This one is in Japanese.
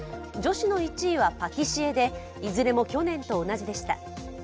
女子の１位はパティシエでいずれも去年と同じでした。